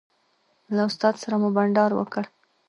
له استاد سره مو بانډار وکړ.